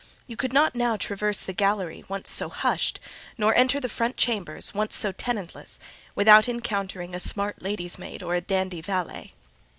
You could not now traverse the gallery, once so hushed, nor enter the front chambers, once so tenantless, without encountering a smart lady's maid or a dandy valet.